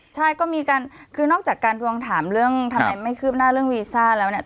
ใช่ก็มีการคือนอกจากการทวงถามเรื่องทำไมไม่คืบหน้าเรื่องวีซ่าแล้วเนี่ย